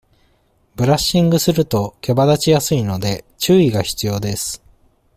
ブラッシングすると毛羽立ちやすいので、注意が必要です。